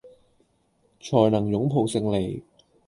才能擁抱勝利